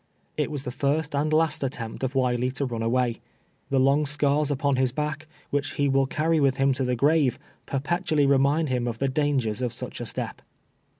It was tlie first and last attempt of Wiley to run away. TLe long scars upon Lis back, wLicL Lc will carry witL Lim to tlie grave, perpetually remind Lim of tlie dangers of sucL a step.